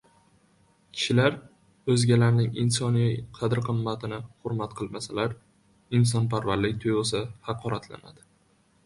Kishilar o‘zgalarning insoniy qadr-qimmatini hurmat qilmasalar, insonparvarlik tuyg‘usi haqoratlanadi